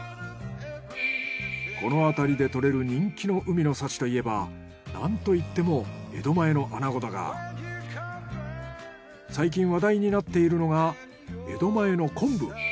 この辺りで獲れる人気の海の幸といえばなんといっても最近話題になっているのが江戸前の昆布。